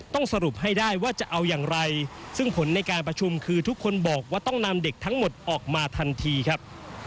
สรุปให้ได้ว่าจะเอาอย่างไรซึ่งผลในการประชุมคือทุกคนบอกว่าต้องนำเด็กทั้งหมดออกมาทันทีครับ